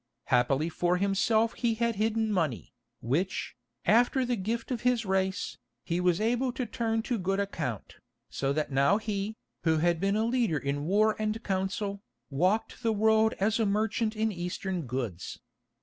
Happily for himself he had hidden money, which, after the gift of his race, he was able to turn to good account, so that now he, who had been a leader in war and council, walked the world as a merchant in Eastern goods.